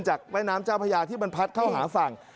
จากแม่น้ำเจ้าพญาที่มันพัดเข้าหาฝั่ง